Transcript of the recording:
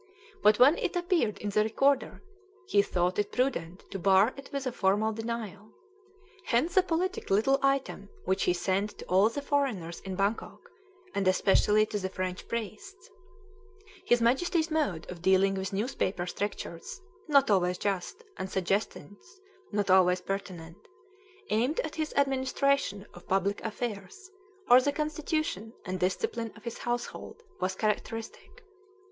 But when it appeared in the Recorder, he thought it prudent to bar it with a formal denial. Hence the politic little item which he sent to all the foreigners in Bangkok, and especially to the French priests. His Majesty's mode of dealing with newspaper strictures (not always just) and suggestions (not always pertinent) aimed at his administration of public affairs, or the constitution and discipline of his household, was characteristic.